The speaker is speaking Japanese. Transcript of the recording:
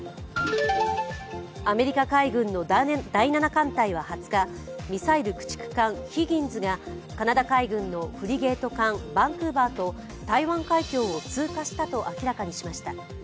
アメリカ海軍の第７艦隊は２０日ミサイル駆逐艦「ヒギンズ」がカナダ海軍のフリゲート艦「バンクーバー」と台湾海峡を通過したと明らかにしました。